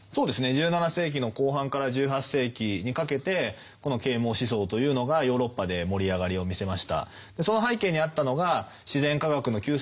１７世紀の後半から１８世紀にかけてこの啓蒙思想というのがヨーロッパで盛り上がりを見せました。